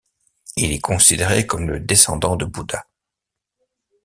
Il est considéré comme le descendant de Bouddha.